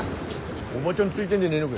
おばちゃんついでんでねえのが？